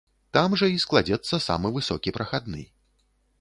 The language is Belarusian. Там жа і складзецца самы высокі прахадны.